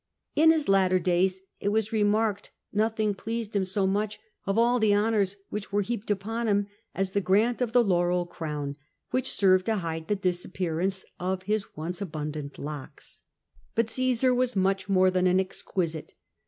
In his latter days, it was remarked nothing pleased him so much, of all the honours which w(*re heapcal upon him, as the grant of the laurel crown, which sc^.rved to hide the disappearance of his once abimdatit locks. But Omsar was much more than an exquisite.